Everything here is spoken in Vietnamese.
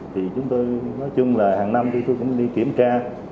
thì chúng tôi nói chung là hàng năm thì tôi cũng đi kiểm tra